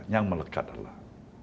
yang melekat adalah